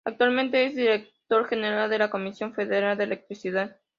Actualmente es director general de la Comisión Federal de Electricidad.